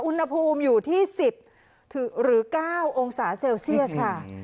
อุณหภูมิอยู่ที่๑๐หรือ๙องศาเซลเซียสค่ะ